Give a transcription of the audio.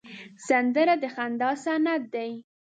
سندره د خندا سند دی